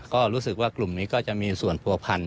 ก็รู้สึกว่ากลุ่มนี้ก็จะมีส่วนผัวพันธ